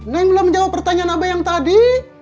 neng belum jawab pertanyaan abah yang tadi